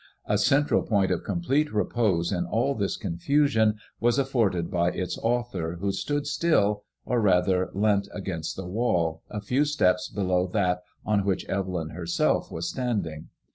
A central point of complete repose in all this confusion was afibrded by its author, who still stood, or rather leant against the wall, a few steps below that on which Evelyn herself was standing.